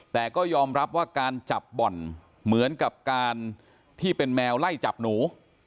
แต่ก็ยอมรับว่าการจับบ่อนเหมือนกับการที่เป็นแมวไล่จับหนู